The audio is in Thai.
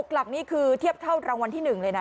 หลักนี่คือเทียบเท่ารางวัลที่๑เลยนะ